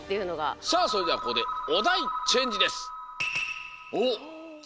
さあそれではここでおだいチェンジです。